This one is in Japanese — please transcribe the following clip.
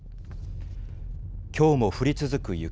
きょうも降り続く雪。